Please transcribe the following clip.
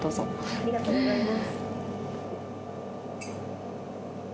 ありがとうございます。